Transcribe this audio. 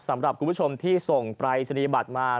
สำหรับคุณผู้ชมที่ส่งปรายศนียบัตรมา